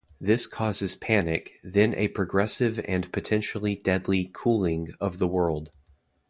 This causes panic, then a progressive and potentially deadly cooling of the world.